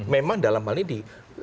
memang dalam hal ini